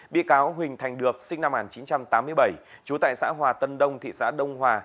bị cáo huỳnh thành được sinh năm một nghìn chín trăm tám mươi bảy trú tại xã hòa tân đông thị xã đông hòa